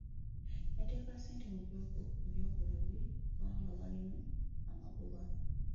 Yateeka ssente mu by'obuvubi kubanga balimu amagoba.